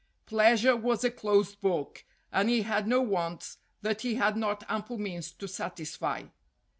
Pleasure was a closed book and he had no wants that he had not ample means to satisfy.